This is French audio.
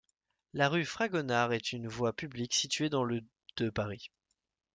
La rue Fragonard est une voie publique située dans le de Paris.